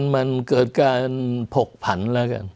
มันเกิดการผกผันแล้วกัน